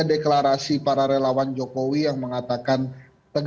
dan saya rasa ini adalah perhubungan yang sangat penting